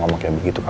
terima kasih ya ma